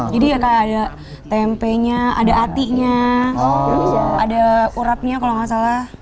jadi kayak ada tempenya ada atinya ada urapnya kalau nggak salah